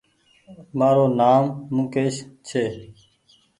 مآرو نآم مڪيش ڇي